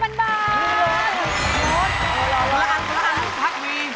ร้อนร้อนร้อนร้อน